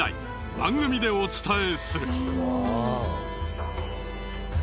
番組でお伝えする。